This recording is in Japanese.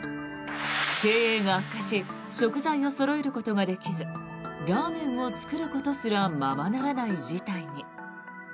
経営が悪化し食材をそろえることができずラーメンを作ることすらままならない事態に。